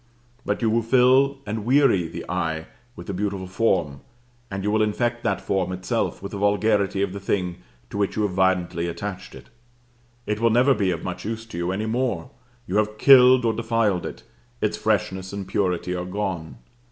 But you will fill and weary the eye with the beautiful form, and you will infect that form itself with the vulgarity of the thing to which you have violently attached it. It will never be of much use to you any more; you have killed or defiled it; its freshness and purity are gone.